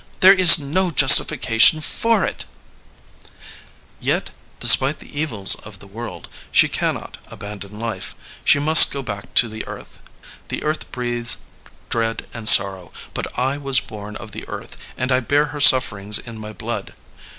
There is no justification for it !'' Yet, despite the evils of the world, she cannot abandon life. She must go back to the earth, The earth breathes dread and sorrow, but I was bom of the earth and I bear her suffering in my blood.